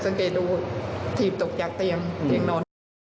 สังเกตดูทีบตกจากเตียงนอน